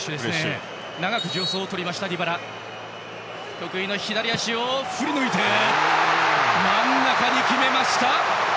得意の左足を振りぬいて真ん中に決めました！